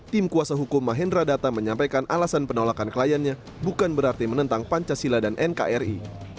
tim kuasa hukum mahendra data menyampaikan alasan penolakan kliennya bukan berarti menentang pancasila dan nkri